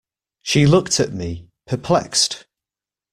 She looked at me, perplexed.